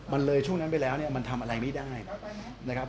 มันเลยช่วงนั้นไปแล้วเนี่ยมันทำอะไรไม่ได้นะครับ